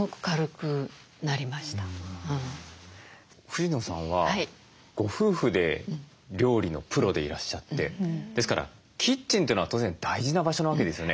藤野さんはご夫婦で料理のプロでいらっしゃってですからキッチンというのは当然大事な場所なわけですよね。